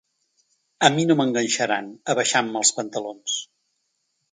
A mi no m’enganxaran abaixant-me els pantalons.